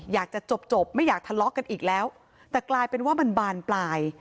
อยากจะจบจบไม่อยากทะเลาะกันอีกแล้วแต่กลายเป็นว่ามันบานปลาย